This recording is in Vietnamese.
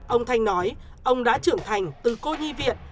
ông thanh nói ông đã trưởng thành từ cô huy viện